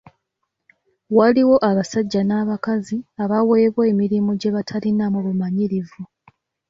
Waliwo abasajja n’abakazi abaweebwa emirimu gye batalinaamu bumanyirivu.